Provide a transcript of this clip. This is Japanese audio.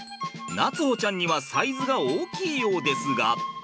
夏歩ちゃんにはサイズが大きいようですが。